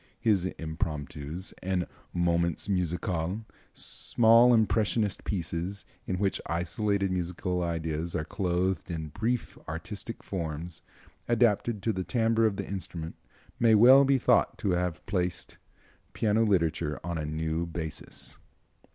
His Impromptus and Moments Musical, small impressionist pieces, in which isolated musical ideas are clothed in brief artistic forms adapted to the timbre of the instrument, may well be thought to have placed piano literature on a new basis.